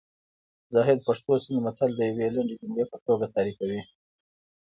زاهد پښتو سیند متل د یوې لنډې جملې په توګه تعریفوي